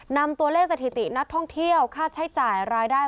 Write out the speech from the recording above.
นำตัวเลขสถิตินักท่องเที่ยวค่าใช้จ่ายรายได้